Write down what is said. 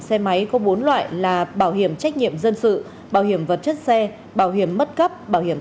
xe máy có bốn loại là bảo hiểm trách nhiệm dân sự bảo hiểm vật chất xe bảo hiểm mất cấp bảo hiểm